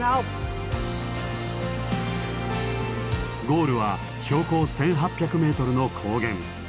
ゴールは標高１，８００ｍの高原。